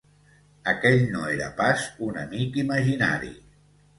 Aquell no era pas un amic imaginari.